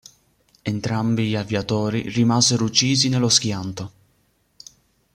Entrambi gli aviatori rimasero uccisi nello schianto.